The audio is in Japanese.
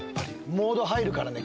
モード入るからね。